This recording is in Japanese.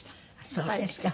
そうですか。